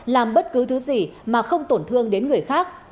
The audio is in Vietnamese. làm bất cứ thứ gì mà không tổn thương đến người khác